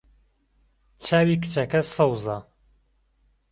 چاوی کچەکە سەوزە.